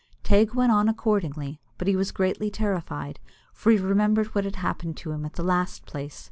Teig went on accordingly, but he was greatly terrified, for he remembered what had happened to him at the last place.